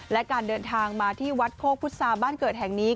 และการเดินทางมาที่วัดโคกพุษาบ้านเกิดแห่งนี้